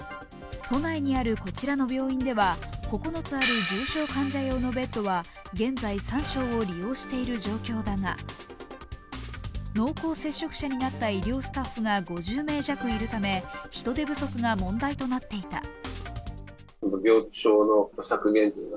都内にあるこちらの病院では９つある重症患者用ベッドは現在３床を利用している状況だが、濃厚接触者になった医療スタッフが５０名弱いるため人手不足が問題となっていた。